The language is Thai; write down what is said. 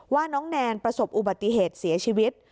ว่าน้องแนนประสบอุบัติเหตุเสียชีวิต